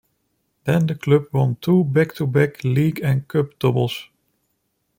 Then the club won two back to back league and cup doubles.